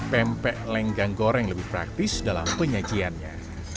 pempek lenggang goreng lebih praktis dalam penyajiannya